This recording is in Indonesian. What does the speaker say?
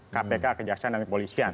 kpk kejaksaan dan polisian